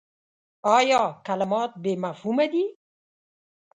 ایا کلمات بې مفهومه دي ؟